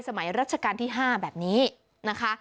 รัชกาลที่๕แบบนี้นะคะ